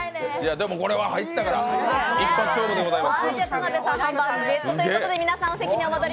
でもこれは入ったから一発勝負でございます。